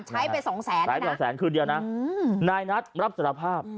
ใช้ไปสองแสนหายไปสองแสนคือเดียวน่ะอืมนายนัดรับสารภาพ